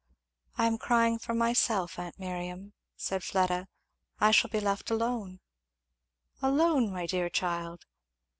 "I am crying for myself, aunt Miriam," said Fleda. "I shall be left alone." "Alone, my dear child?"